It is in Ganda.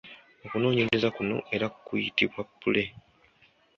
Okunoonyereza kuno era kuyitibwa pule,